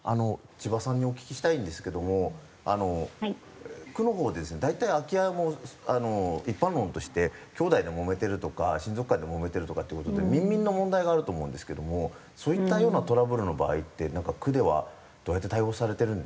千葉さんにお聞きしたいんですけども区のほうでですね大体空き家も一般論としてきょうだいでもめてるとか親族間でもめてるとかっていう事で民民の問題があると思うんですけどもそういったようなトラブルの場合って区ではどうやって対応されてるんでしょうか？